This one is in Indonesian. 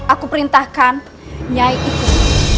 aku perintahkan nyai ikut